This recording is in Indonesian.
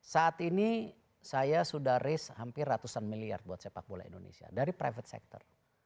saat ini saya sudah risk hampir ratusan miliar buat sepak bola indonesia dari private sector